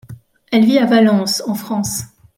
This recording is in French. Elle vit à Valence en France.